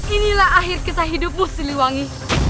inilah akhir kita hidupmu siliwangi